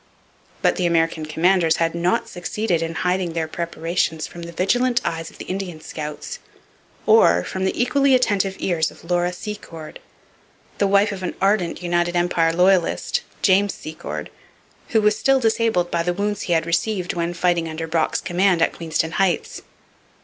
But the American commanders had not succeeded in hiding their preparations from the vigilant eyes of the Indian scouts or from the equally attentive ears of Laura Secord, the wife of an ardent U. E. Loyalist, James Secord, who was still disabled by the wounds he had received when fighting under Brock's command at Queenston Heights.